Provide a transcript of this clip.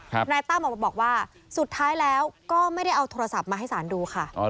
นายตั้มออกมาบอกว่าสุดท้ายแล้วก็ไม่ได้เอาโทรศัพท์มาให้ศาลดูค่ะ